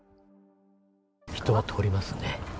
人は通りますね。